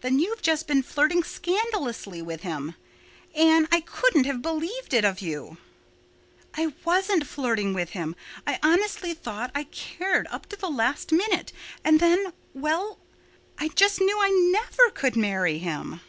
Then you've just been flirting scandalously with him. Anne, I couldn't have believed it of you." "I wasn't flirting with him—I honestly thought I cared up to the last minute—and then—well, I just knew I never could marry him."